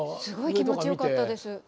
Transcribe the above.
すごい気持ちよかったです。